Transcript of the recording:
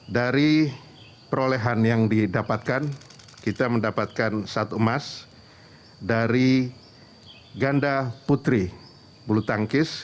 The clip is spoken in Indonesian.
dari perolehan yang didapatkan kita mendapatkan satu emas dari ganda putri bulu tangkis